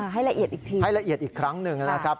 ให้ละเอียดอีกทีให้ละเอียดอีกครั้งหนึ่งนะครับ